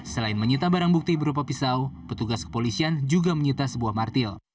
selain menyita barang bukti berupa pisau petugas kepolisian juga menyita sebuah martil